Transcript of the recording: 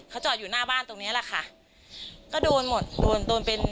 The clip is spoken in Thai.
เขาจอดอยู่หน้าบ้านตรงเนี้ยแหละค่ะก็โดนหมดโดนโดนเป็น